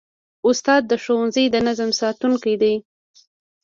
استاد د ښوونځي د نظم ساتونکی دی.